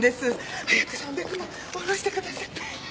早く３００万下ろしてください。